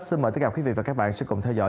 xin mời tất cả quý vị và các bạn sẽ cùng theo dõi